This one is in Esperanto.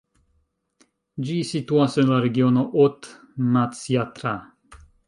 Ĝi situas en la regiono Haute-Matsiatra.